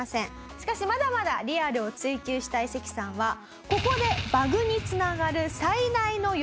しかしまだまだリアルを追求したいセキさんはここでバグに繋がる最大の余計な事を言ってしまいます。